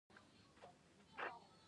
عدم تشدد او له کرکې ډډه کول پکار دي.